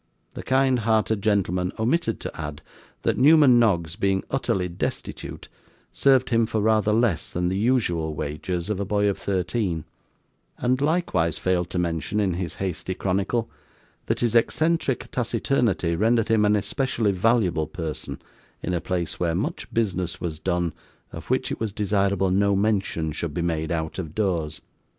The kind hearted gentleman omitted to add that Newman Noggs, being utterly destitute, served him for rather less than the usual wages of a boy of thirteen; and likewise failed to mention in his hasty chronicle, that his eccentric taciturnity rendered him an especially valuable person in a place where much business was done, of which it was desirable no mention should be made out of doors.